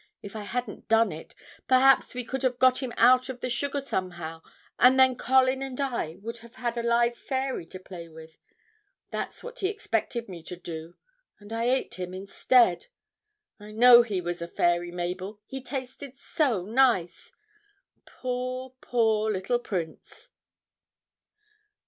If I hadn't done it, perhaps we could have got him out of the sugar somehow, and then Colin and I would have had a live fairy to play with. That's what he expected me to do, and I ate him instead. I know he was a fairy, Mabel, he tasted so nice.... Poor, poor little prince!'